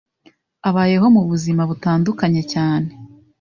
abayeho mu buzima butandukanye cyane